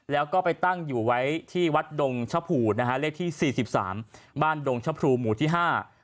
แล้วก็ไปตั้งอยู่ไว้ที่วัดดงชภูร์นะฮะเลขที่๔๓บ้านดงชภูร์หมู่ที่ห้า